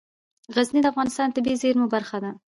غزني د افغانستان د طبیعي زیرمو برخه ده.